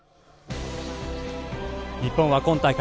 日本は今大会